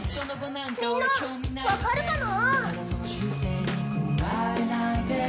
みんな、分かるかな？